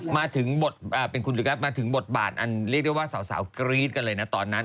มาถึงบทเป็นคุณหรือครับมาถึงบทบาทอันเรียกได้ว่าสาวกรี๊ดกันเลยนะตอนนั้น